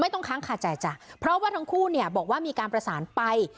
ต้องค้างคาใจจ้ะเพราะว่าทั้งคู่เนี่ยบอกว่ามีการประสานไป